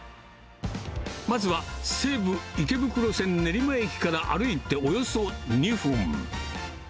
まずは西武池袋線練馬駅から歩いておよそ２分。